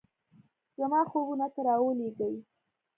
زما خوبونو ته راولیږئ